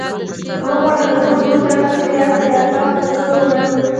که وغواړو له دغو دوو شیانو څخه یو د اساس په توګه ومنو.